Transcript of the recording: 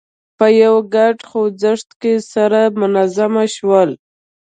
په یوه ګډ خوځښت کې سره منظم شول.